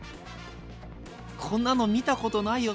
こんなの見たことないよ。